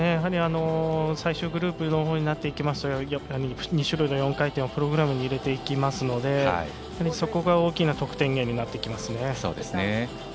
最終グループのほうになってきますと２種類の４回転をプログラムに入れていきますのでそこが大きな得点源になりますね。